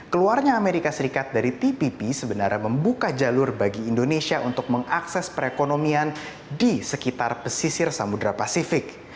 keluarnya amerika serikat dari tpp sebenarnya membuka jalur bagi indonesia untuk mengakses perekonomian di sekitar pesisir samudera pasifik